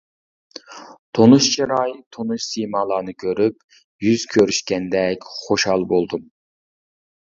تونۇش چىراي، تونۇش سىيمالارنى كۆرۈپ يۈز كۆرۈشكەندەك خۇشال بولدۇم.